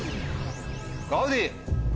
「ガウディ」。